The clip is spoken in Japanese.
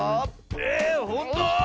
えほんと？